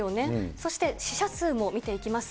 そして死者数も見ていきます。